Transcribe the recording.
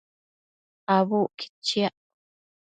Abucquid chiac